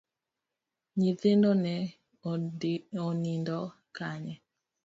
Nyithindo ne onindo kanye?